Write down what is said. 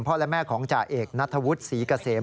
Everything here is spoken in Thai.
และแม่ของจ่าเอกนัทธวุฒิศรีเกษม